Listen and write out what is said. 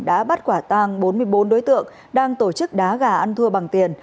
đã bắt quả tang bốn mươi bốn đối tượng đang tổ chức đá gà ăn thua bằng tiền